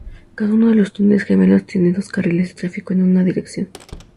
Cada uno de los túneles gemelos contiene dos carriles de tráfico en una dirección.